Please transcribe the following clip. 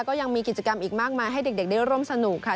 ก็ยังมีกิจกรรมอีกมากมายให้เด็กได้ร่วมสนุกค่ะ